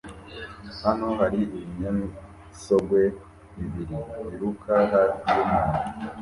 Hano hari ibinyamisogwe bibiri biruka hafi yumwanda